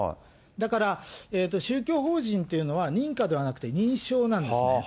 だから宗教法人っていうのは認可ではなくて認証なんですね。